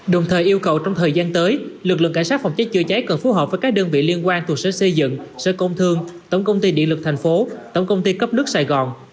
đồng thời yêu cầu trong thời gian tới lực lượng cảnh sát phòng cháy chữa cháy cần phù hợp với các đơn vị liên quan thuộc sở xây dựng sở công thương tổng công ty điện lực thành phố tổng công ty cấp nước sài gòn